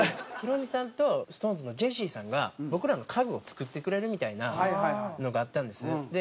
ヒロミさんとＳｉｘＴＯＮＥＳのジェシーさんが僕らの家具を作ってくれるみたいなのがあったんです。